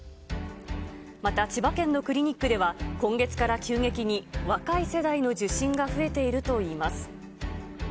また千葉県のクリニックでは、今月から急激に若い世代の受診が増えているといいます。